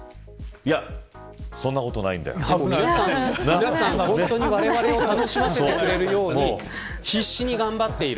皆さん本当に、われわれを楽しませてくれるように必死で頑張っている。